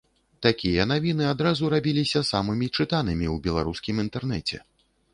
Такія навіны адразу рабіліся самымі чытанымі ў беларускім інтэрнэце.